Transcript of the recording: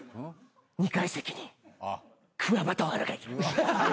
２階席にクワバタオハラがいる。